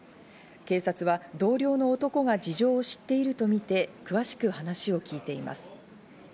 警察は同僚の男が事情を知っているとみて、詳しくお話を聞いています。